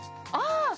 ああ！